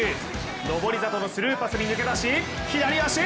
登里のスルーパスに抜け出し左足。